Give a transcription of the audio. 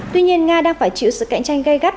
tuy nhiên nga đang phải chịu sự cạnh tranh gây gắt